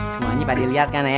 semuanya pak dilihat kan ya